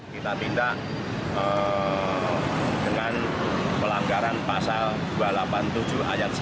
kita tindak dengan pelanggaran pasal dua ratus delapan puluh tujuh ayat satu